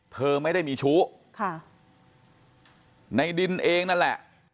เธอไม่ได้มีชู้ค่ะในดินเองนั่นแหละ